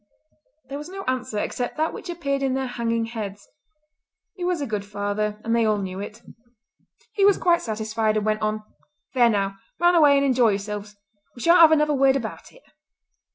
There was no answer except that which appeared in their hanging heads. He was a good father and they all knew it. He was quite satisfied and went on: "There, now, run away and enjoy yourselves! We shan't have another word about it."